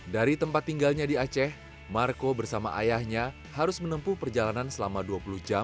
dari tempat tinggalnya di aceh marco bersama ayahnya harus menempuh perjalanan selama dua puluh jam